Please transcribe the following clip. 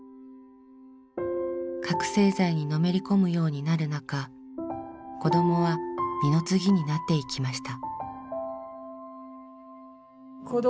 覚醒剤にのめり込むようになる中子どもは二の次になっていきました。